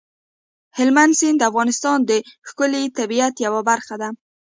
هلمند سیند د افغانستان د ښکلي طبیعت یوه برخه ده.